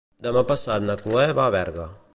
Demà passat na Cloè va a Berga.